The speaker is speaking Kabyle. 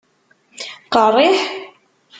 Qerriḥ?